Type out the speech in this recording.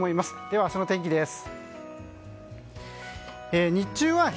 では明日の天気です。